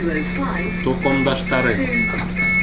Тоҡомдаштары!